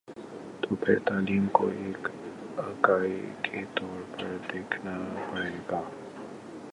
تو پھر تعلیم کو ایک اکائی کے طور پر دیکھنا پڑے گا۔